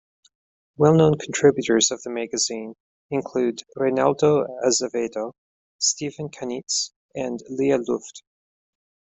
Well-known contributors to the magazine include Reinaldo Azevedo, Stephen Kanitz and Lya Luft.